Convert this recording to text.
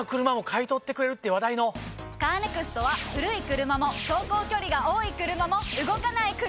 カーネクストは古い車も走行距離が多い車も動かない車でも。